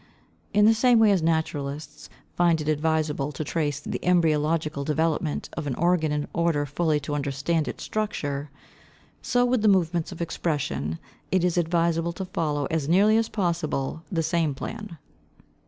In the same way as naturalists find it advisable to trace the embryological development of an organ in order fully to understand its structure, so with the movements of expression it is advisable to follow as nearly as possible the same plan.